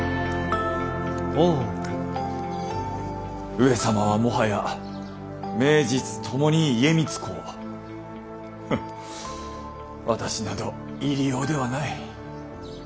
上様はもはや名実ともに家光公私など入用ではない。